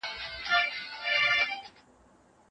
زموږ کلتور زموږ د هویت نښه ده.